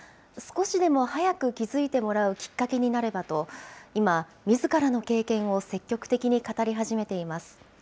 少しでも早く気付いてもらうきっかけになればと、今、みずからの経験を積極的に語り始めています。